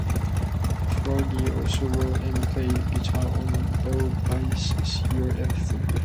Kroeger also wrote and played guitar on Bo Bice's "You're Everything".